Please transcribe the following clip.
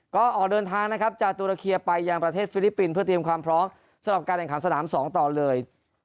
ก็ออกเดินทางนะครับจากตุรเคียไปยังประเทศฟิลิปปินส์เพื่อเตรียมความพร้อมสำหรับการแข่งขันสนาม๒ต่อเลย